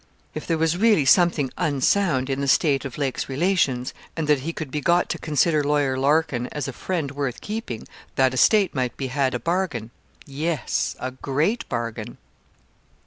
If there was really something 'unsound in the state of Lake's relations,' and that he could be got to consider Lawyer Larkin as a friend worth keeping, that estate might be had a bargain yes, a great bargain.